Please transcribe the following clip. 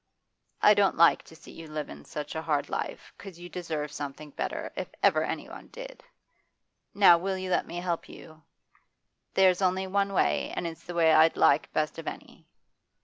I don't like to see you livin' such a hard life, 'cause you deserve something better, if ever anyone did. Now will you let me help you? There's only one way, and it's the way I'd like best of any.